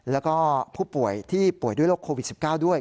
แล้วก็ผู้ป่วยที่ป่วยด้วยโรคโควิด๑๙ด้วย